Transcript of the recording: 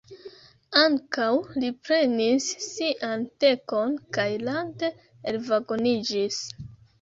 Ankaŭ li prenis sian tekon, kaj lante elvagoniĝis.